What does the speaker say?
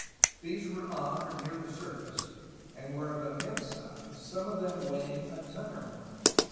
These were on or near the surface, and were of im mense size, some of them weighing a ton or more.